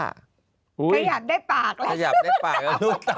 ขยับได้ปากเลย